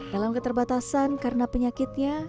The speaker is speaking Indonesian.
dalam keterbatasan karena penyakitnya